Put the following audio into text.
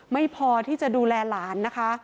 ไม่พอที่จะดูแลหลานนะคะ